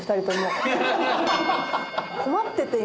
困ってて。